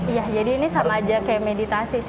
iya jadi ini sama aja kayak meditasi sih